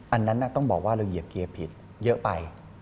อันนั้นต้องบอกว่าเราเหยียบเกียร์ผิดเยอะไป